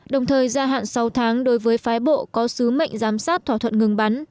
đồng thời gia hạn sáu tháng đối với phái bộ có sứ mệnh giám sát thỏa thuận ngừng bắn